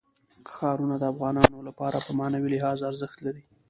ښارونه د افغانانو لپاره په معنوي لحاظ ارزښت لري.